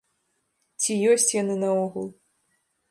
Ці ёсць яны наогул?